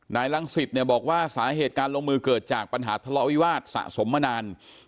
ลังศิษย์เนี่ยบอกว่าสาเหตุการลงมือเกิดจากปัญหาทะเลาะวิวาสสะสมมานาน